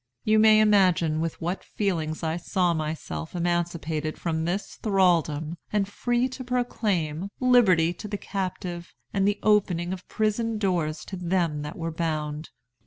You may imagine with what feelings I saw myself emancipated from this thraldom, and free to proclaim 'liberty to the captive, and the opening of prison doors to them that were bound.'